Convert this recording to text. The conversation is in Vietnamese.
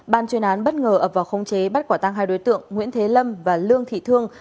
ban chuyên án bất ngờ ập vào khống chế bắt quả tăng hai đối tượng nguyễn thế lâm và lương thị thương